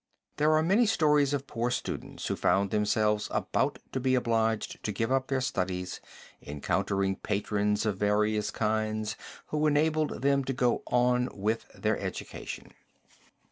There are many stories of poor students who found themselves about to be obliged to give up their studies, encountering patrons of various kinds who enabled them to go on with their education.